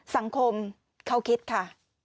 สังคมเขาคิดค่ะ